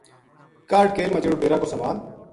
کاہڈھ کیل ما جہڑو ڈیرا کو سامان